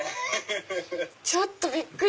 ちょっとびっくり。